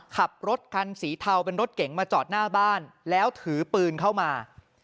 ขับรถคันสีเทาเป็นรถเก๋งมาจอดหน้าบ้านแล้วถือปืนเข้ามา